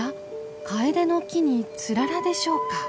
カエデの木にツララでしょうか？